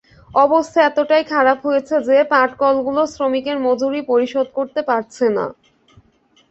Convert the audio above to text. অবস্থা এতটাই খারাপ হয়েছে যে পাটকলগুলো শ্রমিকের মজুরি পরিশোধ করতে পারছে না।